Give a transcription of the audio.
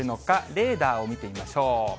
レーダーを見てみましょう。